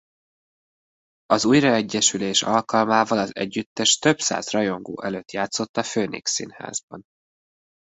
Egy újraegyesülés alkalmával az együttes több száz rajongó előtt játszott a Phoenix Színházban.